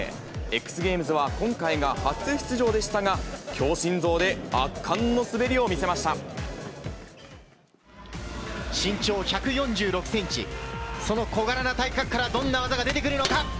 ＸＧａｍｅｓは今回が初出場でしたが、強心臓で圧巻の滑りを見身長１４６センチ、その小柄な体格からどんな技が出てくるのか。